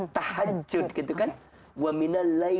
tahajud gitu kan